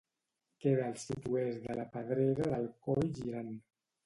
Queda al sud-oest de la Pedrera de Coll Girant.